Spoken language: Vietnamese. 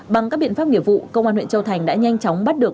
bằng các biện pháp nghiệp vụ công an huyện châu thành đã nhanh chóng bắt được